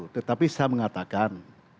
tetapi saya mengatakan